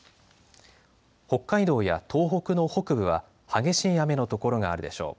北海道や東北の北部は激しい雨の所があるでしょう。